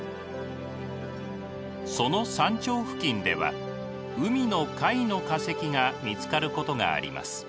その山頂付近では海の貝の化石が見つかることがあります。